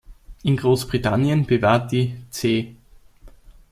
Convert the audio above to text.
In Großbritannien bewahrt die „C.